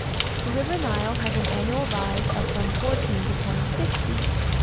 The River Nile has an annual rise of from fourteen to twenty six feet.